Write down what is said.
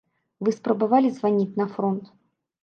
Вы спрабавалі званіць на фронт?